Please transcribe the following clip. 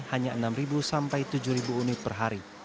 hanya enam sampai tujuh unit per hari